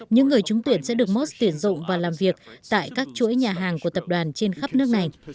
những người trúng tuyển sẽ được mốt tuyển dụng và làm việc tại các chuỗi nhà hàng của tập đoàn trên khắp nước này